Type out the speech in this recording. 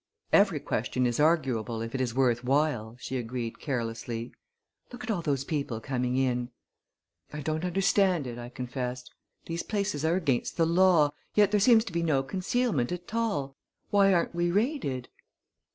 "Every question is arguable if it is worth while," she agreed carelessly. "Look at all those people coming in!" "I don't understand it," I confessed. "These places are against the law, yet there seems to be no concealment at all! Why aren't we raided?"